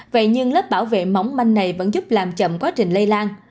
vậy nhưng lớp bảo vệ móng manh này vẫn giúp làm chậm quá trình lây lan